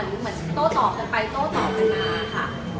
เหมือนโต้ตอบกันไปโต้ตอบกันมาค่ะ